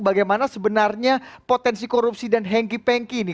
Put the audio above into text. bagaimana sebenarnya potensi korupsi dan hengki pengki ini